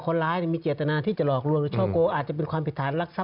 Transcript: คนร้ายมีเจตนะที่จะหลอกลวงอาจจะเป็นความผิดทางดรักทรัพย์